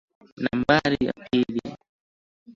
Nambari ya pili.